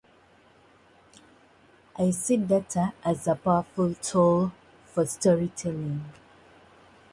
In the following Conservative leadership election, Leigh supported John Redwood.